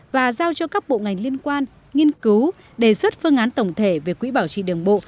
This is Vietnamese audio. và giao cho các bộ ngành liên quan nghiên cứu đề xuất phương án tổng thể về quỹ bảo trì đường bộ